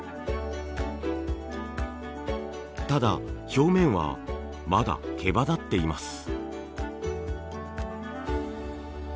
ただ表面はまだ毛羽立っています。